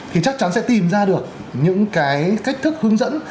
thì chắc chắn sẽ tìm ra được những cái cách thức hướng dẫn